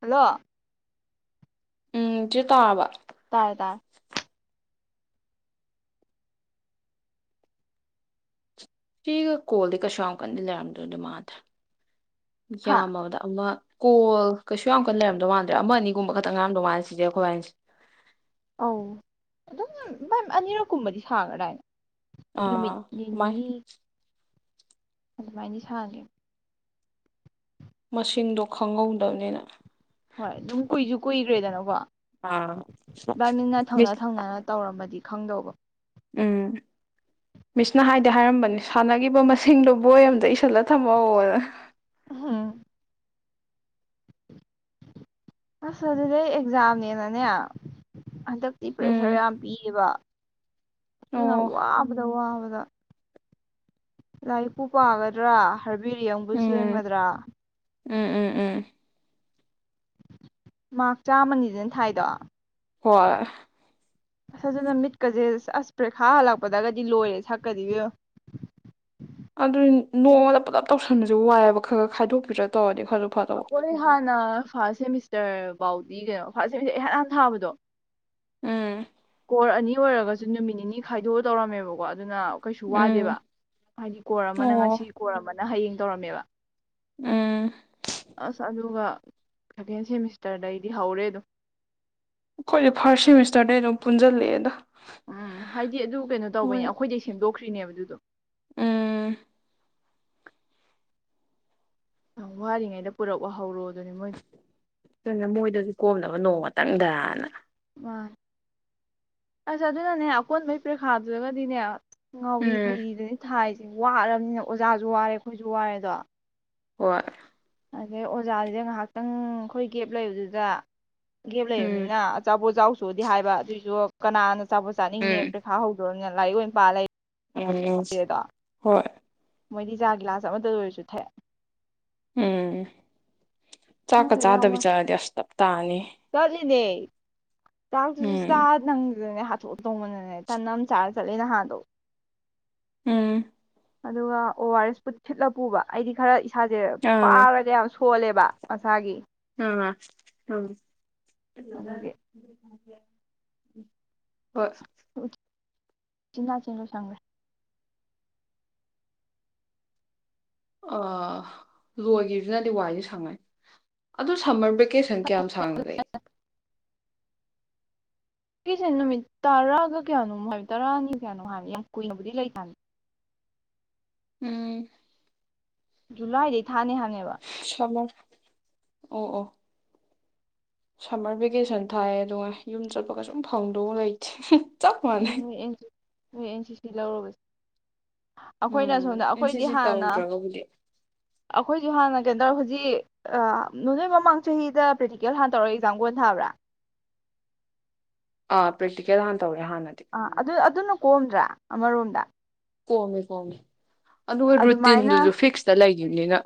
hello ꯎꯝ ꯆꯦ ꯇꯥꯔꯕ ꯇꯥꯏ ꯇꯥꯏ ꯊꯤꯒ ꯀꯣꯜꯗꯤ ꯀꯁꯨꯥ ꯌꯥꯝ ꯀꯟꯗ ꯂꯔꯝꯗꯧꯗꯤ ꯃꯥꯟꯗ ꯍꯥ ꯌꯥꯝꯃꯕꯗ ꯑꯃ ꯀꯣꯜ ꯀꯩꯁꯨ ꯌꯥꯝ ꯀꯟ ꯂꯩꯔꯝꯗꯧ ꯃꯥꯟꯗ꯭ꯔꯦ ꯑꯃ ꯑꯅꯤꯒꯨꯝꯕ ꯈꯛꯇꯪ ꯉꯥꯏꯔꯝꯗꯧ ꯃꯥꯜꯂꯦ ꯆꯤꯆꯦ ꯑꯩꯈꯣꯏꯕꯥꯟꯅꯤꯖꯦ ꯑꯧ ꯑꯗꯨꯝ ꯑꯅꯤꯔꯛ ꯀꯨꯝꯕꯗꯤ ꯁꯥꯡꯒ꯭ꯔ ꯗꯥꯏꯅꯦ ꯑꯥ ꯃꯥꯏ ꯑꯗꯨꯃꯥꯏꯅ ꯁꯥꯒꯦ ꯃꯁꯤꯡꯗꯣ ꯈꯪꯍꯧꯗꯕꯅꯤꯅ ꯍꯣꯏ ꯑꯗꯨꯝ ꯀꯨꯏꯖꯨ ꯀꯨꯏꯈ꯭ꯔꯦꯗꯅꯀꯣ ꯑꯥ ꯕꯥꯏ ꯃꯤꯅ ꯊꯪꯅ ꯃꯤꯁ ꯊꯪꯅꯅ ꯇꯧꯔꯝꯃꯗꯤ ꯈꯪꯗꯧꯕ ꯎꯝ ꯃꯤꯁꯅ ꯍꯥꯏꯗꯤ ꯍꯥꯏꯔꯝꯕꯅꯤ ꯁꯥꯟꯅꯒꯤꯕ ꯃꯁꯤꯡꯗꯣ ꯕꯣꯏ ꯑꯃꯗ ꯏꯁꯤꯜꯂ ꯊꯝꯍꯧꯅ ꯍꯥꯥ ꯑꯁ ꯑꯗꯨꯗꯤꯩ ꯑꯦꯛꯖꯥꯝꯅꯦꯅꯅꯦ ꯍꯟꯗꯛꯇꯤ ꯎꯝ ꯄ꯭ꯔꯦꯁꯔ ꯌꯥꯝ ꯄꯤꯌꯦꯕ ꯑꯣ ꯋꯥꯕꯗ ꯋꯥꯕꯗ ꯂꯥꯏꯔꯤꯛꯄꯨ ꯄꯒꯗ꯭ꯔꯥ ꯍꯔꯕꯦꯔꯤꯌꯝ ꯎꯝ ꯁꯦꯝꯒꯗ꯭ꯔꯥ ꯎꯝ ꯎꯝ ꯎꯝ ꯃꯥꯥ꯭ꯔꯛ ꯆꯥꯃꯅꯤꯗꯅ ꯊꯥꯏꯗꯣ ꯍꯣꯏ ꯑꯁ ꯑꯗꯨꯅ ꯃꯤꯠꯀꯖꯦ ꯑꯁ ꯄ꯭ꯔꯦꯈꯥ ꯍꯜꯂꯛꯄꯗꯒꯗꯤ ꯂꯣꯏꯔꯦ ꯁꯛꯀꯗꯤ ꯏꯕꯦꯝꯃ ꯑꯗꯨ ꯅꯣꯡꯃꯗ ꯄꯨꯂꯞ ꯇꯧꯁꯟꯕꯁꯨ ꯋꯥꯏꯑꯕ ꯈꯔ ꯈꯥꯏꯗꯣꯛꯄꯤꯔ꯭ꯔꯥ ꯇꯧꯔꯗꯤ ꯈꯔꯁꯨ ꯐꯗꯧꯕ ꯑꯈꯣꯏ ꯍꯥꯟ ꯅ ꯐꯥꯁ ꯁꯦꯃꯤꯁꯇꯔ ꯕꯥꯎ ꯄꯤꯈꯔꯦ ꯐꯥꯁ ꯁꯦꯃꯤꯁꯇꯔ ꯑꯩꯍꯥꯟ ꯍꯥꯟꯅ ꯊꯥꯕꯗꯣ ꯎꯝ ꯀꯣꯔ ꯑꯅꯤ ꯑꯣꯏꯔꯒꯁꯨ ꯅꯨꯃꯤꯠ ꯅꯤꯅꯤ ꯈꯥꯏꯗꯣꯛꯑ ꯇꯧꯔꯝꯃꯦꯕꯀꯣ ꯑꯗꯨꯅ ꯀꯩꯁꯨ ꯋꯥꯗꯦꯕ ꯎꯝ ꯍꯥꯏꯗꯤ ꯀꯣꯔ ꯑꯃꯅ ꯑꯣ ꯉꯁꯤ ꯀꯣꯔ ꯑꯃꯅ ꯅ ꯍꯌꯦꯡ ꯇꯧꯔꯝꯃꯦꯕ ꯎꯝ ꯑꯁ ꯑꯗꯨꯒ ꯁꯦꯀꯦꯟ ꯁꯦꯃꯤꯁꯇꯔꯗꯩꯗꯤ ꯍꯧꯔꯦ ꯑꯗꯨꯝ ꯑꯩꯈꯣꯏꯗꯤ ꯐꯥꯔꯁ ꯁꯦꯃꯤꯁꯇꯔꯗꯩ ꯑꯗꯨꯝ ꯄꯨꯟꯁꯤꯜꯂꯛꯑꯦꯗ ꯎꯝ ꯍꯥꯏꯗꯤ ꯑꯗꯨ ꯀꯩꯅꯣ ꯇꯧꯕꯩꯅꯦ ꯑꯩꯈꯣꯏꯗꯩ ꯁꯦꯝꯗꯣꯛꯈ꯭ꯔꯤꯅꯦꯕ ꯑꯗꯨꯗꯣ ꯎꯝ ꯌꯥꯝ ꯋꯥꯔꯤꯉꯩꯗ ꯄꯨꯔꯛ ꯋꯥ ꯍꯧꯔꯣ ꯀꯅ ꯃꯣꯏꯗꯁꯨ ꯀꯣꯝꯅꯕ ꯅꯣꯡꯃ ꯆꯪꯕ꯭ꯔꯦꯅ ꯃꯥ ꯑꯁ ꯑꯗꯨꯅꯅꯦ ꯑꯀꯣꯟꯕꯩ ꯄꯔꯤꯈꯥꯗꯨꯒꯗꯤꯅꯦ ꯉꯥꯎꯔꯤ ꯎꯝ ꯐꯩꯔꯤꯗꯨꯅꯤ ꯊꯥꯏꯁꯦ ꯋꯥꯔꯕꯅꯤꯅ ꯑꯣꯖꯥꯁꯨ ꯋꯥꯔꯦ ꯑꯩꯈꯣꯏꯁꯨ ꯋꯥꯔꯦ ꯗꯣ ꯍꯣꯏ ꯑꯗꯩ ꯑꯣꯖꯥꯁꯤꯗ ꯉꯥꯏꯍꯥꯛꯇꯪ ꯑꯩꯈꯣꯏ ꯒꯦꯞ ꯂꯩꯕꯗꯨꯗ ꯒꯦꯞ ꯎꯝ ꯂꯩꯕꯅꯤꯅ ꯑꯆꯥꯄꯣꯠ ꯆꯥꯎ ꯁꯗꯤ ꯍꯥꯏꯕ ꯑꯗꯨꯑꯣꯏꯁꯨ ꯀꯅꯥꯅꯣ ꯆꯥꯕ ꯎꯝ ꯆꯥꯅꯤꯡꯉ ꯄꯔꯤꯈꯥ ꯍꯧꯗꯣꯔꯅꯤꯅ ꯂꯥꯏꯔꯤꯛ ꯑꯣꯏꯅ ꯄꯥ ꯂꯩ ꯎꯝ ꯍꯣꯏ ꯃꯣꯏꯗꯤ ꯆꯥ ꯒꯤꯂꯥꯁ ꯑꯃꯇ ꯂꯣꯏꯔꯁꯨ ꯊꯛꯑ ꯎꯝ ꯆꯥꯛ ꯀ ꯈꯪꯗꯦꯗ ꯆꯥ ꯗꯕꯤ ꯆꯠꯂꯗꯤ ꯑꯁ ꯇꯥꯅꯤ ꯏꯟꯅꯦ ꯆꯥꯛꯇꯨꯁꯨ ꯎꯝ ꯆꯥ ꯅꯪ ꯑꯗꯨꯗꯅꯦ ꯍꯥꯊꯨ ꯊꯨꯇꯧꯃꯟꯗꯅꯅꯦ ꯇꯟ ꯑꯃ ꯆꯥꯔ ꯆꯠꯂꯦ ꯅꯍꯥꯟꯗꯣ ꯎꯝ ꯑꯗꯨꯒ ꯑꯣ ꯑꯥꯔ ꯑꯦꯁ ꯄꯨꯨ ꯊꯤꯠꯂ ꯄꯨꯕ ꯑꯩꯗꯤ ꯈꯔ ꯏꯁꯥꯁꯦ ꯑꯥ ꯄꯥꯔꯒ ꯌꯥꯝ ꯁꯣꯜꯂꯦꯕ ꯃꯁꯥꯒꯤ ꯑꯝ ꯑꯗꯨꯒꯤ [unintelligible] ꯍꯣꯏ ꯎꯆ ꯆꯤꯟꯖꯥꯛ ꯅꯥꯆꯤꯟ ꯂꯣꯏꯁꯤꯟꯈ꯭ꯔꯦ ꯑ ꯂꯣꯏꯈꯤꯕꯁꯤꯅꯗꯤ ꯋꯥꯏꯗꯤ ꯁꯪꯉꯦ ꯑꯗꯨ ꯁꯝꯃꯔ ꯕꯔꯦ ꯀꯦꯁꯟ ꯀꯌꯥꯝ ꯁꯥꯡꯅ ꯂꯩ ꯁꯤꯁꯦ ꯅꯨꯃꯤꯠ ꯇꯔꯥꯒ ꯀꯌꯥꯅꯣ ꯍꯥꯏꯕ ꯇꯔꯥꯅꯤ ꯀꯌꯥꯅꯣ ꯍꯥꯏꯕꯅꯤ ꯌꯥꯝ ꯀꯨꯏꯅꯕꯨꯗꯤ ꯂꯩꯇꯝꯅꯦ ꯎꯝ ꯖꯨꯂꯥꯏꯗꯩ ꯊꯅꯤ ꯍꯅꯦꯕ ꯁꯝꯃꯔ ꯑꯣ ꯑꯣ ꯁꯝꯃꯔ ꯚꯦꯀꯦꯁꯟ ꯊꯥꯏ ꯑꯗꯨꯒꯥꯏ ꯌꯨꯝ ꯆꯠꯄ ꯀꯩ ꯁꯨꯝ ꯐꯪꯗꯧ ꯂꯩꯇꯦ ꯆꯞ ꯎꯝ ꯃꯥꯟꯅꯩ ꯍꯣꯏ ꯑꯦꯟ ꯍꯣꯏ ꯑꯦꯟ ꯁꯤ ꯁꯤ ꯂꯧꯔꯨꯕꯁꯤ ꯑꯩꯈꯣꯏꯅ ꯁꯣꯝꯗ ꯎꯝ ꯑꯦꯟ ꯁꯤ ꯑꯩꯈꯣꯏꯗꯤ ꯁꯤ ꯍꯥꯟꯅ ꯇꯧꯗ꯭ꯔꯒꯕꯨꯗꯤ ꯑꯩꯈꯣꯏꯁꯨ ꯍꯥꯟꯅ ꯀꯩꯇꯧꯔꯖꯤ ꯁꯤ ꯅꯣꯏ ꯃꯃꯥꯡ ꯆꯍꯤꯗ ꯄ꯭ꯔꯦꯛꯇꯤꯀꯦꯜ ꯍꯥꯟꯅ ꯇꯧꯔꯒ ꯑꯦꯛꯖꯥꯝ ꯀꯣꯟ ꯊꯥꯕ꯭ꯔꯥ ꯑ [unintelligible] ꯑ ꯑꯗꯨ ꯑꯗꯨꯅ ꯀꯣꯝꯗ꯭ꯔꯥ ꯑꯃꯔꯣꯝꯗ ꯀꯣꯝꯃꯦ ꯀꯣꯝꯃꯦ ꯑꯗ ꯑꯗꯨꯃꯥꯏꯅ ꯔꯤꯟꯗꯨꯁꯨ ꯐꯤꯛꯁ ꯇ ꯂꯩ ꯏꯅꯤꯅ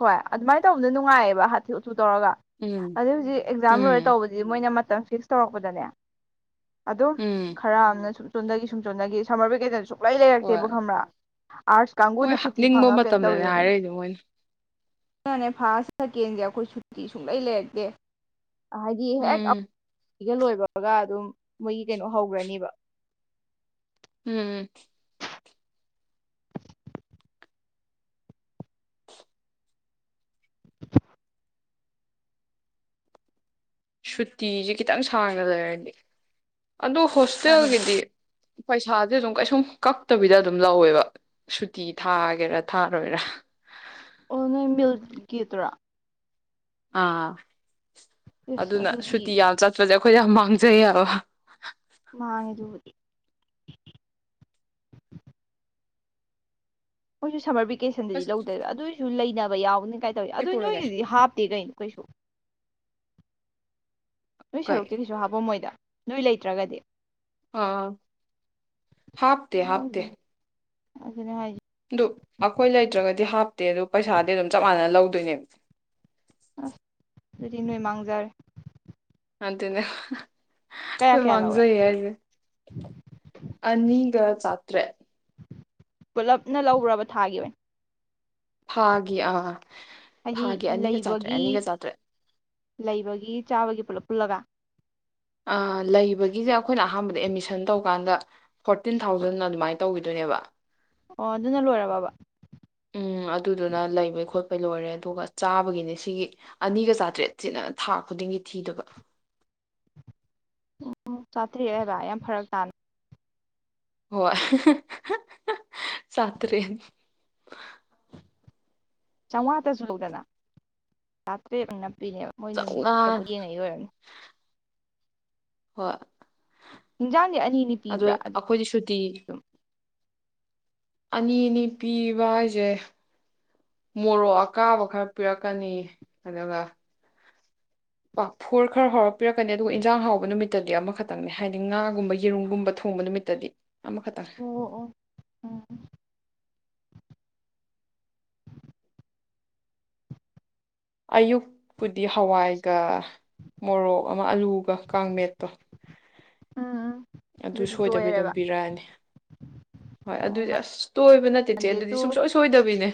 ꯍꯣꯏ ꯑꯗꯨꯃꯥꯏꯅ ꯇꯧꯕꯅ ꯅꯨꯡꯉꯥꯏꯑꯦꯕ ꯍꯥꯊꯨ ꯊꯨ ꯊꯨ ꯇꯧꯔꯒ ꯎꯝ ꯑꯗꯩ ꯍꯧꯖꯤꯛ ꯑꯦꯛꯖꯥꯝ ꯂꯣꯏꯔꯦ ꯎꯝ ꯇꯧꯕꯗꯤ ꯃꯣꯏꯅ ꯇꯥ ꯐꯤꯛꯁ ꯇꯧꯔꯛꯄꯗꯅꯦ ꯑꯗꯣ ꯎꯝ ꯈꯔ ꯑꯃꯅꯁꯨꯨꯝ ꯁꯨꯝ ꯆꯣꯟꯗꯒꯤ ꯆꯣꯟꯗꯒꯤ ꯁꯃ꯭ꯔ ꯚꯦꯀꯦꯁꯟ ꯁꯨ ꯄꯂꯥꯏ ꯂꯩꯔꯛꯇꯦꯕ ꯍꯣꯏ ꯈꯪꯕ꯭ꯔꯥ ꯑꯥꯔꯁ ꯃꯣꯏ ꯀꯥꯡꯕꯨꯅ ꯁꯨꯇꯤ ꯅꯤꯡꯕ ꯐꯪꯉ ꯀꯩꯅꯣ ꯃꯇꯝꯗꯅꯦ ꯇꯧꯈꯤꯗꯣꯏꯅꯤ ꯍꯥꯏꯔꯛꯏꯗꯣ ꯃꯣꯏꯅ ꯑꯗꯨꯅꯦ ꯐꯥꯔꯁ ꯁꯦꯀꯦꯟꯗꯤ ꯑꯩꯈꯣꯏ ꯁꯨꯇꯤ ꯁꯨꯡꯂꯩ ꯂꯩꯔꯛꯇꯦ ꯍꯥꯏꯗꯤ ꯍꯦꯛ ꯎꯝ ꯁꯤꯒ ꯂꯣꯏꯕꯒ ꯑꯗꯨꯝ ꯃꯣꯏꯒꯤ ꯀꯩꯅꯣ ꯍꯧꯈ꯭ꯔꯅꯦꯕ ꯎꯝ ꯁꯨꯇꯤꯁꯦ ꯈꯤꯇꯪ ꯁꯥꯡꯅ ꯂꯩꯔꯗꯤ ꯑꯗꯨ ꯃꯥꯅꯦ ꯍꯣꯁꯇꯦꯜꯒꯤꯗꯤ ꯄꯩꯁꯥꯥꯁꯦ ꯑꯗꯨꯝ ꯀꯩꯁꯨꯝ ꯀꯛꯇꯕꯤꯗ ꯑꯗꯨꯝ ꯂꯧꯋꯦꯕ ꯁꯨꯇꯤ ꯊꯥꯒꯦꯔꯥ ꯊꯥꯔꯣꯏꯔꯥ ꯑꯣ ꯅꯣꯏ ꯃꯤꯜ ꯒꯤꯗꯨꯔꯥ ꯑꯥ ꯑꯁ ꯑꯗꯨꯅ ꯑꯗꯨꯗꯤ ꯁꯨꯇꯤ ꯌꯥꯝ ꯆꯠꯄꯁꯦ ꯑꯩꯈꯣꯏ ꯌꯥꯝ ꯃꯥꯡꯖꯩꯌꯦꯕ ꯃꯡ ꯉꯦ ꯑꯗꯨꯕꯨꯗꯤ ꯑꯣꯏꯁꯨ ꯁꯃꯥꯔ ꯕꯤꯛ ꯀꯦꯁꯟꯗꯗꯤ ꯑꯁ ꯂꯧꯗꯕ ꯑꯗꯨꯑꯣꯔꯁꯨ ꯂꯩꯅꯕ ꯌꯥꯎꯅꯤ ꯀꯥꯏꯇꯧꯋꯤ ꯁꯤ ꯑꯗꯨ ꯄꯨꯔꯒꯦ ꯅꯣꯏꯒꯤꯗꯤ ꯍꯥꯞꯇꯦ ꯀꯩꯅꯣ ꯀꯩꯁꯨ ꯅꯣꯏ ꯀꯩ ꯁꯔꯨꯛꯇ ꯀꯁꯨ ꯍꯥꯕꯣ ꯃꯣꯏꯗ ꯅꯣꯏ ꯂꯩꯇ꯭ꯔꯒꯗꯤ ꯑꯥ ꯍꯥꯞꯇꯦ ꯍꯥꯞꯇꯦ ꯂꯧꯗꯦ ꯑꯗꯨꯅꯦ ꯍꯥꯏꯁꯦ ꯑꯗꯨ ꯑꯩꯈꯣꯏ ꯂꯩꯇ꯭ꯔꯒꯗꯤ ꯍꯥꯞꯇꯦ ꯑꯗꯨ ꯄꯩꯁꯥꯗꯤ ꯑꯗꯨꯝ ꯆꯞ ꯃꯥꯟꯅ ꯂꯧꯗꯣ ꯅꯦ [unintelligible] ꯑꯁ ꯑꯗꯨꯗꯤ ꯅꯣꯏ ꯃꯥꯡꯖꯔꯦ ꯃ ꯇꯅꯦ [unintelligible] ꯀꯌꯥ ꯑꯩꯈꯣꯏ ꯀꯌꯥ ꯂꯧꯋꯦ ꯃꯥꯡꯖꯩ ꯍꯥꯏꯖꯦ ꯑꯅꯤꯒ ꯆ ꯇ꯭ꯔꯦꯠ ꯄꯨꯂꯞꯅ ꯂꯩꯕ꯭ꯔꯕ ꯊꯥꯒꯤ ꯑꯣꯏꯅ ꯊꯥꯒꯤ ꯑ ꯍꯥꯏꯗꯤ ꯂꯩꯕꯒꯤ ꯆꯥꯇ꯭ꯔꯦꯠ ꯂꯩꯕꯒꯤ ꯆꯥꯕꯒꯤ ꯄꯨꯂꯞ ꯄꯨꯜꯂꯒ ꯂꯩꯕꯒꯤꯁꯦ ꯑꯩꯈꯣꯏꯅ ꯑꯍꯥꯟꯕꯗ ꯑꯦꯠꯃꯤꯁꯟ ꯇꯧꯀꯥꯟꯗ ꯐꯣꯔꯇꯤꯟ ꯊꯥꯎꯖꯟ ꯑꯗꯨꯃꯥꯏꯅ ꯇꯧꯈꯤꯗꯣꯏꯅꯦꯕ ꯑꯣ ꯑꯗꯨꯅ ꯂꯣꯏꯔꯕꯕ ꯎꯝ ꯑꯗꯨꯗꯨꯅ ꯂꯩꯕꯩ ꯈꯣꯠꯄꯩ ꯂꯣꯏꯔꯦ ꯑꯗꯨꯒ ꯆꯥꯕꯒꯤꯅꯤ ꯁꯤꯒꯤ ꯑꯅꯤ ꯆꯥꯇ꯭ꯔꯦꯠ ꯍꯥꯏꯔꯣ ꯌꯥꯝ ꯐꯔꯛ ꯇꯥꯅ ꯍꯣꯢ ꯍꯥ ꯍꯥ ꯍꯥ ꯍꯥ ꯆꯥꯇ꯭ꯔꯦꯠ ꯆꯥꯝꯃꯉꯥꯗꯁꯨ ꯂꯧꯗꯅ ꯆꯥꯇ꯭ꯔꯦꯠ ꯑꯗꯨꯏꯅꯦꯕ ꯃꯣꯏ ꯆꯥꯝꯃꯉꯥ ꯅꯨꯃꯤꯠꯇꯕꯨꯗꯤ ꯌꯦꯡꯉꯛꯏ ꯑꯣꯏꯔꯝꯅꯤ ꯍꯣꯏ ꯍꯦꯟꯖꯥꯡꯗꯤ ꯑꯅꯤꯅꯤ ꯑꯗꯣ ꯄꯤꯕ꯭ꯔꯥ ꯑꯩꯈꯣꯏꯗꯤ ꯁꯨꯇꯤ ꯑꯗꯨꯝ ꯑꯅꯤ ꯑꯅꯤ ꯄꯤꯕ ꯍꯥꯏꯁꯦ ꯃꯣꯔꯣꯛ ꯑꯀꯥꯕ ꯈꯔ ꯄꯤꯔꯛꯀꯅꯤ ꯑꯗꯨꯒ ꯄꯥꯐꯣꯔ ꯈꯔ ꯍꯥꯎꯔ ꯄꯤꯔꯛꯀꯅꯤ ꯑꯗꯨꯒ ꯏꯟꯖꯥꯡ ꯍꯥꯎꯕ ꯅꯨꯃꯤꯠꯇꯗꯤ ꯑꯃꯈꯛꯇꯪꯅꯦ ꯍꯥꯏꯗꯤ ꯉꯥꯒꯨꯝꯕ ꯌꯦꯔꯨꯝꯒꯨꯝꯕ ꯊꯣꯡꯕ ꯅꯨꯃꯤꯠꯇꯗꯤ ꯑꯃ ꯈꯇꯪ ꯑꯣ ꯑꯣ ꯎꯝ ꯑꯌꯨꯛꯄꯨꯗꯤ ꯍꯋꯥꯏꯒ ꯃꯣꯔꯣꯛ ꯑꯃ ꯑꯂꯨꯒ ꯀꯥꯡꯃꯦꯠꯇꯣ ꯎꯝ ꯑꯗꯨ ꯑꯗꯨꯗꯤ ꯁꯣꯏꯗꯕꯤ ꯑꯗꯨꯝ ꯇꯣꯏꯔꯦꯕ ꯄꯤꯔꯛꯑꯅꯤ ꯍꯣꯏ ꯑꯣ ꯑꯗꯨꯗꯤ ꯑꯁ ꯇꯣꯏꯕ ꯏꯕ ꯅꯠꯇꯦ ꯆꯦ ꯃꯟꯗꯦ ꯑꯗꯨꯗꯤ ꯇꯨ ꯁꯨꯡꯁꯣꯏ ꯁꯣꯏꯗꯕꯤꯅꯦ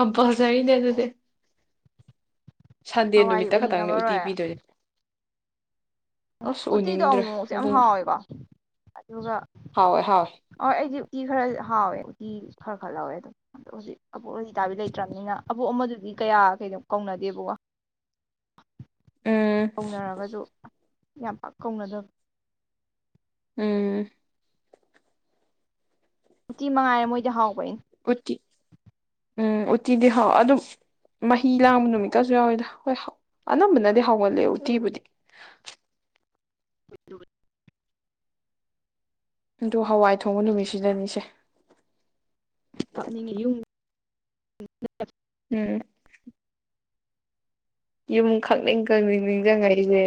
ꯀꯝꯄꯜꯁ ꯖꯔꯤꯅꯦ ꯑꯗꯨꯗꯤ ꯁꯟꯗꯦ ꯍꯋꯥꯏ ꯅꯨꯃꯤꯠꯇ ꯈꯛꯇꯪꯅꯤ ꯎꯇꯤ ꯄꯤꯗꯣꯏ ꯎꯝ ꯎꯇꯤꯗꯣ ꯑꯃꯨꯃꯨꯛꯁꯨ ꯌꯥꯝ ꯑꯗꯨꯅ ꯍꯥꯎꯋꯦꯀꯣ ꯑꯗꯨꯒ ꯍꯥꯎꯋꯦ ꯍꯥꯎꯋꯦ ꯍꯣꯢ ꯑꯩꯗꯤ ꯎꯇꯤ ꯈꯔ ꯍꯥꯎꯋꯦ ꯎꯇꯤ ꯈꯔ ꯈꯔꯍꯥꯎꯋꯦ ꯑꯗꯨꯝ ꯑꯗꯣ ꯍꯧꯖꯤꯛ ꯑꯕꯣꯛ ꯂꯂꯤꯇꯥꯕꯤ ꯂꯩꯇ꯭ꯔꯕꯅꯤꯅ ꯑꯕꯣꯛ ꯑꯃꯗꯨꯗꯤ ꯀꯌꯥ ꯀꯧꯅꯗꯦꯕꯀꯣ ꯎꯝ ꯀꯧꯅꯔꯒꯁꯨ ꯌꯥꯝ ꯄꯥꯛ ꯀꯧꯅꯗꯕ ꯎꯝ ꯎꯇꯤ ꯃꯉꯥꯏꯔꯦ ꯃꯣꯏꯗꯤ ꯍꯥꯎꯕ ꯎꯇꯤ ꯎꯝ ꯎꯇꯤꯗꯤ ꯍꯥꯎ ꯑꯗꯨꯝ ꯃꯍꯤ ꯂꯥꯡꯕ ꯅꯨꯃꯤꯠꯀꯁꯨ ꯌꯥꯎꯋꯤꯗ ꯍꯣꯏ ꯑꯅꯝꯕꯅꯗꯤ ꯍꯥꯎꯒꯜꯂꯦ ꯎꯇꯤꯕꯨꯗꯤ [unintelligible] ꯑꯗꯨ ꯍꯋꯥꯏ ꯊꯣꯡꯕ ꯅꯨꯃꯤꯠꯁꯤꯗꯅꯤꯁꯦ ꯀꯥꯞꯅꯤꯡꯉꯤ ꯌꯨꯝ ꯎꯝ ꯌꯨꯝ ꯈꯪꯅꯤꯡ ꯈꯪꯅꯤꯡ ꯅꯤꯡꯁꯤꯡꯉꯏꯁꯦ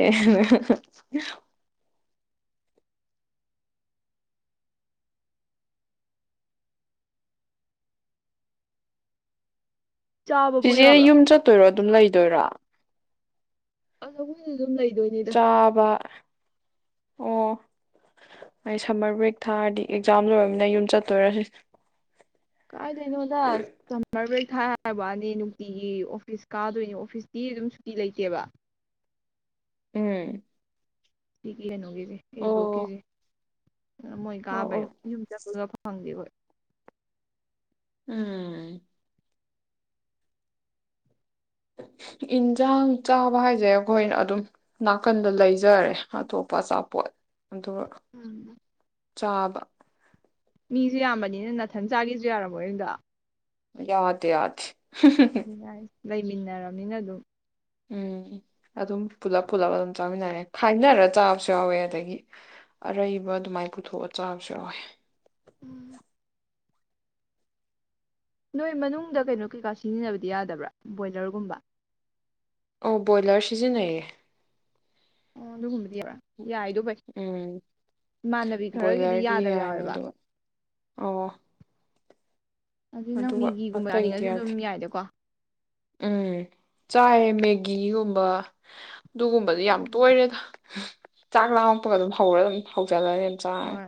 ꯆꯥꯕꯕꯨ ꯆꯤꯆꯦ ꯌꯥꯕ꯭ꯔꯥ ꯌꯨꯝ ꯆꯠꯇꯣꯏꯔꯣ ꯑꯗꯨꯝ ꯂꯩ ꯗꯣꯏꯔ ꯑꯗꯣ ꯆꯥꯕ ꯑꯣ ꯑꯩ ꯁꯝꯃꯔ ꯕ꯭ꯔꯦꯛ ꯊꯥꯔꯗꯤ ꯑꯦꯛꯖꯥꯝ ꯂꯣꯏꯔꯕꯃꯤꯅ ꯌꯨꯝ ꯆꯠꯇꯣꯏꯔꯁꯤ ꯀꯥꯏꯗꯩꯅꯣꯗ ꯁꯃ꯭ꯔ ꯕ꯭ꯔꯦꯛ ꯊꯥꯏ ꯍꯥꯏꯔꯕꯅꯤ ꯅꯨꯡꯇꯤꯒꯤ ꯑꯣꯐꯤꯁ ꯀꯥꯗꯣꯏꯅꯤ ꯑꯣꯐꯤꯁꯇꯤ ꯑꯗꯨꯝ ꯁꯨꯇꯤ ꯂꯩꯇꯦꯕ ꯎꯝ ꯁꯤ ꯀꯅꯣꯒꯤ ꯑꯦ ꯑꯣ ꯕ꯭꯭ꯔꯣꯀꯤꯁꯦ ꯃꯣꯏ ꯑꯣ ꯀꯥꯕꯩ ꯑꯣ ꯌꯨꯝ ꯆꯠꯄꯒ ꯐꯪꯍꯪꯗꯦ ꯍꯣꯏ ꯎꯝ ꯏꯟꯖꯥꯡ ꯆꯥꯕ ꯍꯥꯏꯁꯦ ꯑꯩꯈꯣꯏꯅ ꯑꯗꯨꯝ ꯅꯥꯀꯟꯗ ꯂꯩꯖꯔꯦ ꯑꯇꯣꯞꯄ ꯑꯆꯥꯄꯣꯠ ꯑꯗꯨꯒ ꯆꯥꯕ ꯃꯤꯁꯨ ꯌꯥꯝꯕꯅꯤꯅ ꯅꯥꯊꯟ ꯆꯥꯒꯤꯁꯨ ꯌꯥꯔꯝꯃꯣꯏ ꯑꯗꯣ ꯌꯥꯗꯦ ꯌꯥꯗꯦ ꯎꯝ ꯖꯥꯏ ꯂꯩꯃꯤꯟꯅꯔꯕꯅꯤꯅ ꯑꯗꯨꯝ ꯎꯝ ꯑꯗꯨꯝ ꯄꯨꯂꯞ ꯄꯨꯜꯂꯞ ꯑꯗꯨꯝ ꯆꯥꯃꯤꯟꯅꯔꯦ ꯈꯥꯏꯅꯔ ꯆꯥꯕꯁꯨ ꯌꯥꯎꯋꯦ ꯑꯗꯒꯤ ꯑꯔꯩꯕ ꯑꯗꯨꯃꯥꯏ ꯄꯨꯊꯣꯛꯑ ꯆꯥꯕꯁꯨ ꯌꯥꯎꯋꯦ ꯎꯝ ꯅꯣꯏ ꯃꯅꯨꯡꯗ ꯀꯩꯅꯣ ꯀꯩꯀꯥ ꯁꯤꯖꯤꯟꯅꯕꯗꯤ ꯌꯥꯗꯕ꯭ꯔꯥ ꯕꯣꯏꯂꯔꯒꯨꯝꯕ ꯑꯣ ꯕꯣꯏꯂꯔ ꯁꯤꯖꯤꯟꯅꯩꯌꯦ ꯑꯣ ꯑꯗꯨꯒꯝ ꯕ ꯌꯥꯏꯗꯣ ꯐꯩ ꯎꯝ ꯏꯃꯥꯟꯅꯕꯤ ꯈꯔꯒꯤꯗꯤ ꯌꯥꯗꯕ ꯌꯥꯎꯋꯦꯕ ꯑꯥ ꯑꯗꯨ ꯅꯪ ꯃꯤꯒꯤꯒꯨꯝꯕ ꯑꯇꯩꯗꯤ ꯆꯥꯅꯤꯡꯉꯁꯨ ꯑꯗꯨꯝ ꯌꯥꯗꯦ ꯌꯥꯏꯗꯀꯣ ꯎꯝ ꯆꯥꯏ ꯃꯦꯒꯤꯒꯨꯝꯕ ꯑꯗꯨꯒꯨꯝꯕꯗꯤ ꯌꯥꯝ ꯇꯣꯏꯔꯦꯗ ꯆꯥꯛ ꯂꯥꯡꯉꯛꯄꯒ ꯑꯗꯨꯝ ꯍꯧꯔ ꯑꯗꯨꯝ ꯍꯧꯁ ꯂꯧꯒꯠꯂ ꯑꯗꯨ ꯆꯦꯔꯅ [unintelligible] ꯍꯣꯏ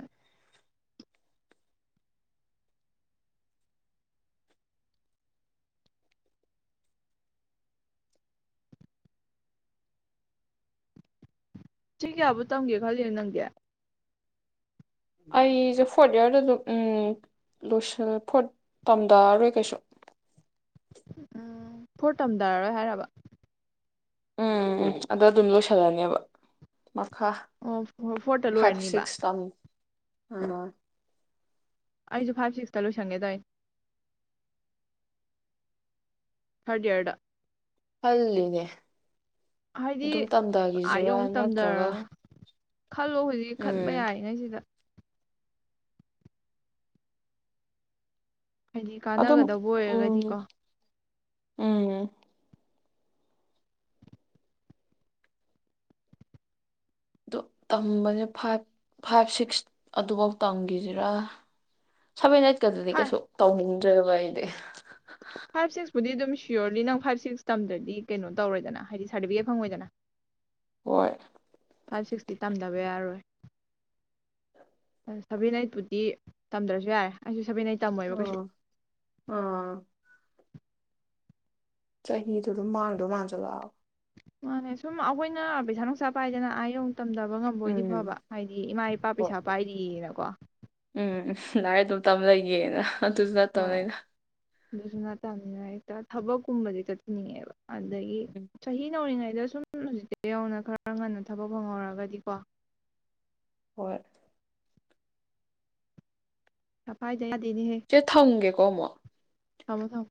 ꯆꯍꯤ ꯀꯌꯥꯕꯨ ꯇꯝꯒꯦ ꯈꯜꯂꯤ ꯅꯪꯗꯤ ꯑꯩꯁꯦ ꯐꯣꯔꯠ ꯏꯌꯥꯔꯗ ꯑꯗꯨꯝ ꯎꯝ ꯂꯣꯏꯁꯜ ꯐꯣꯔꯠ ꯇꯝꯗꯥꯔꯣꯏ ꯀꯩꯁꯨ ꯎꯝ ꯐꯣꯔ ꯇꯝꯗꯔꯔꯣꯏ ꯍꯥꯏꯔꯕ ꯎꯝ ꯎꯝ ꯑꯗ ꯑꯗꯨꯝ ꯂꯣꯏꯁꯤꯜꯂꯅꯦꯕ ꯃꯈꯥ ꯑꯣ ꯐꯣꯔꯠꯇ ꯐꯥꯏꯚ ꯂꯣꯏꯔꯅꯤꯕ ꯁꯤꯛꯁ ꯇꯝ [unintelligible] ꯑꯩꯁꯨ ꯐꯥꯏꯚ ꯁꯤꯛꯁꯇ ꯂꯣꯏꯁꯟꯒꯦꯗꯏꯅꯦ ꯊ꯭ꯔꯠ ꯏꯌ꯭ꯔ ꯈꯜꯂꯤꯅꯦ ꯍꯥꯏꯗꯤ ꯑꯗꯨꯝ ꯑꯥ ꯇꯝꯊꯈꯤꯁꯤꯔꯥ ꯌꯧꯅ ꯅꯠꯇ꯭ꯔꯒ ꯇꯝꯊꯔꯒ ꯈꯜꯂꯣ ꯍꯧꯖꯤꯛ ꯈꯟꯕ ꯎꯝ ꯌꯥꯔꯤꯉꯩꯁꯤꯗ ꯍꯥꯏꯗꯤ ꯑ ꯑꯗꯨ ꯀꯥꯟꯅꯒꯗꯕ ꯎꯝ ꯑꯣꯏꯔꯒꯗꯤꯀꯣ ꯎꯝ ꯑꯗꯨ ꯇꯝꯕꯅꯦ ꯐꯥꯏꯚ ꯐꯥꯏꯚ ꯁꯤꯛꯁ ꯑꯗꯨꯐꯥꯎ ꯇꯝꯈꯤꯁꯤꯔꯥ ꯁꯚꯦꯟ ꯑꯩꯠ ꯗꯤ ꯐꯥꯏꯚ ꯀꯩꯁꯨ ꯇꯧꯅꯤꯡꯉ ꯗ꯭ꯔꯕ ꯏꯗꯤ ꯐꯥꯏꯚ ꯁꯤꯛꯁꯄꯨꯗꯤ ꯑꯗꯨꯝ ꯁꯤꯌꯣꯔꯅꯤ ꯅꯪ ꯐꯥꯏꯚ ꯁꯤꯛꯁ ꯇꯝꯗ꯭ꯔꯗꯤ ꯀꯩꯅꯣ ꯇꯧꯔꯣꯏꯗꯅ ꯍꯥꯏꯗꯤ ꯁꯥꯔꯇꯤꯐꯤꯀꯦꯠ ꯐꯪꯉꯣꯏꯗꯅ ꯍꯣꯏ ꯐꯥꯏꯚ ꯁꯤꯛꯁꯇꯤ ꯇꯝꯗꯕ ꯌꯥꯔꯔꯣꯏ ꯁꯚꯦꯟ ꯑꯩꯠꯄꯨꯗꯤ ꯇꯝꯗ꯭ꯔꯁꯨ ꯌꯥꯔꯦ ꯑꯩꯁꯨ ꯁꯦꯕꯦꯟꯩ ꯇꯝꯃꯣꯏꯕ ꯀꯩꯁꯨ ꯑꯥ ꯑꯥ ꯆꯍꯤꯗꯨ ꯑꯗꯨꯝ ꯃꯥꯥꯡꯗꯧ ꯃꯥꯟꯖꯜ ꯂꯛ ꯑꯕ ꯃꯥꯅꯦ ꯁꯨꯝ ꯑꯩꯈꯣꯏꯅ ꯄꯩꯁꯥ ꯅꯨꯡꯁꯥ ꯄꯥꯏꯗꯅ ꯑ ꯌꯧ ꯇꯝꯊꯕ ꯉꯝꯕꯣꯏꯗꯤ ꯐꯕ ꯎꯝ ꯍꯥꯏꯗꯤ ꯏꯃꯥ ꯏꯄꯥ ꯍꯣꯏ ꯄꯩꯁꯥ ꯄꯥꯏꯔꯤꯌꯦꯅꯀꯣ ꯂꯥꯏ ꯑꯗꯨꯝ ꯇꯝ ꯂꯩꯒꯦꯅ ꯑ ꯑꯗꯨꯁꯨ ꯆꯠꯇ ꯍꯣꯏ ꯅꯤꯅ ꯑꯗꯨꯁꯨ ꯅꯠꯇꯕꯅꯤꯅ ꯍꯦꯛꯇ ꯊꯕꯛꯀꯨꯝꯕꯗꯤ ꯊꯤꯅꯤꯡꯉꯦꯕ ꯑꯗꯒꯤ ꯎꯝ ꯆꯍꯤ ꯅꯧ ꯉꯥꯏ ꯁꯤꯗ ꯁꯨꯝ ꯍꯧꯖꯤꯛꯇꯤ ꯌꯧꯅ ꯈꯔ ꯉꯟꯅ ꯊꯕꯛ ꯐꯪꯍꯧꯔꯒꯗꯤꯀꯣ ꯍꯣꯏ ꯆꯄꯥꯏ ꯆꯦ ꯊꯪꯒꯦꯀꯣ ꯑꯃ ꯊꯝꯃꯣ ꯊꯝꯃꯣ